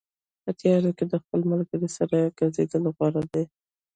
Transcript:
په تیارو کې د خپل ملګري سره ګرځېدل غوره دي.